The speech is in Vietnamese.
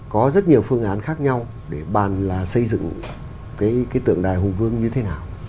có rất nhiều phương án khác nhau để bàn là xây dựng cái tượng đài hùng vương như thế nào